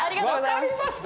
「分かりました」